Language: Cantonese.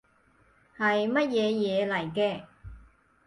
係乜嘢嘢嚟嘅